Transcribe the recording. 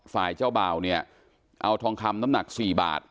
ฝ่ายเจ้าบ่าวเนี่ยเอาทองคำน้ำหนัก๔บาท